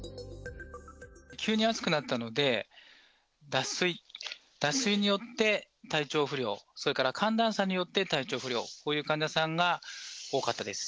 急に暑くなったので、脱水によって体調不良、それから寒暖差によって体調不良、こういう患者さんが多かったです。